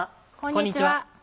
こんにちは。